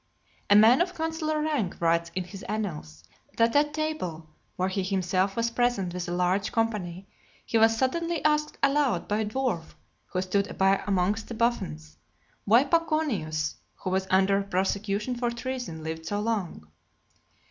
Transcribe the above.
A man of consular rank writes in his annals, that at table, where he himself was present with a large company, he was suddenly asked aloud by a dwarf who stood by amongst the buffoons, why Paconius, who was under a prosecution for treason, lived so long.